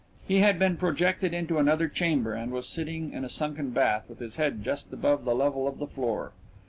He had been projected into another chamber and was sitting in a sunken bath with his head just above the level of the floor.